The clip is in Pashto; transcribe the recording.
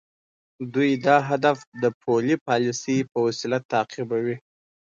دوی دا هدف د پولي پالیسۍ په وسیله تعقیبوي.